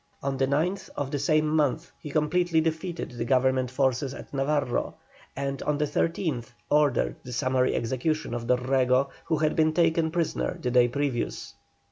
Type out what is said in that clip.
On the 9th of the same month he completely defeated the Government forces at Navarro, and on the 13th ordered the summary execution of Dorrego, who had been taken prisoner the day previous.